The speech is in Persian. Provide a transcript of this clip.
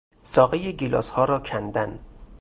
ساقهی گیلاسها را کندن